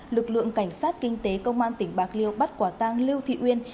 lực lượng cảnh sát kinh tế công an tp bạc liêu bắt quả tăng lưu thị uyên